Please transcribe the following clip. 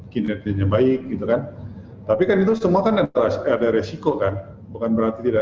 kinerjanya baik gitu kan tapi kan itu semua kan ada resiko kan bukan berarti tidak